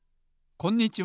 こんにちは。